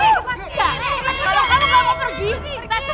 pergi pergi pergi